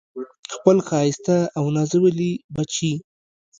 خپل ښایسته او نازولي بچي